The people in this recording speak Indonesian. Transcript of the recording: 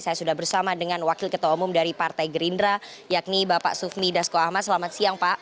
saya sudah bersama dengan wakil ketua umum dari partai gerindra yakni bapak sufmi dasko ahmad selamat siang pak